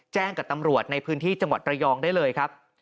กับตำรวจในพื้นที่จังหวัดระยองได้เลยครับ